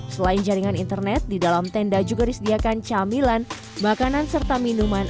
selain jaringan internet di dalam tenda juga disediakan camilan makanan serta minuman